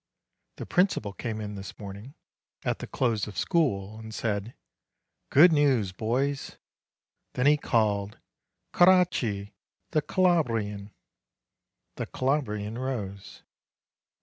The principal came in this morning, at the close of school, and said: "Good news, boys!" Then he called "Coraci!" the Calabrian. The Calabrian rose.